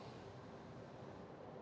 wakil dari mui hadir dalam persidangan ahok